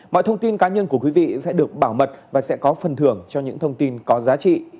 mọi thông tin cá nhân của quý vị sẽ được bảo mật và sẽ có phần thưởng cho những thông tin có giá trị